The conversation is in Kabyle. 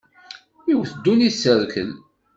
Iwwet ddunit s rrkel.